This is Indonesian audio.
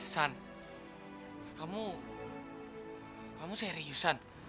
san kamu serius san